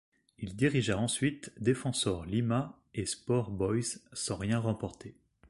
Il dirigea ensuite Defensor Lima et Sport Boys, sans rien remporter.